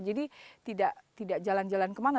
jadi tidak jalan jalan ke mana